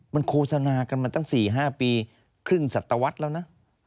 มันโฆษณากันมาตั้ง๔๕ปีครึ่งสัตวรรษแล้วนะ